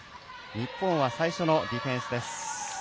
日本は最初のディフェンスです。